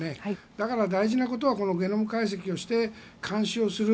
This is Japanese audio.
だから大事なことはゲノム解析をして監視をする。